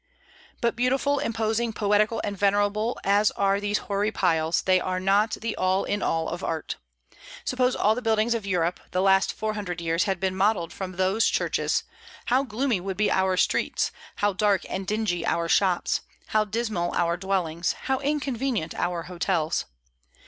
But beautiful, imposing, poetical, and venerable as are these hoary piles, they are not the all in all of art. Suppose all the buildings of Europe the last four hundred years had been modelled from these churches, how gloomy would be our streets, how dark and dingy our shops, how dismal our dwellings, how inconvenient our hotels!